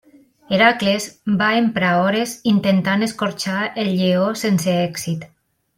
Hèracles va emprar hores intentant escorxar el lleó sense èxit.